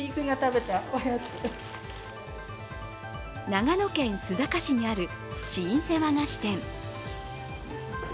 長野県須坂市にある老舗和菓子店。